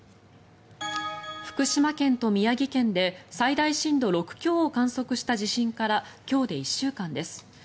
福島県と宮城県で最大震度６強を観測した地震から今日で１週間です。